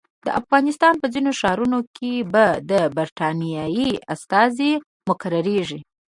د افغانستان په ځینو ښارونو کې به د برټانیې استازي مقرریږي.